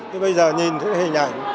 thì bây giờ nhìn thấy hình ảnh